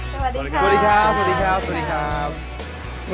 สวัสดีครับสวัสดีครับสวัสดีครับสวัสดีครับ